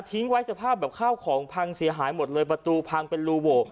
ไว้สภาพแบบข้าวของพังเสียหายหมดเลยประตูพังเป็นรูโหว